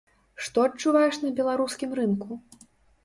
Што адчуваеш на беларускім рынку?